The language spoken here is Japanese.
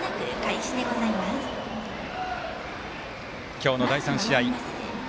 今日の第３試合。